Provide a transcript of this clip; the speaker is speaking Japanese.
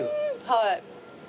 はい。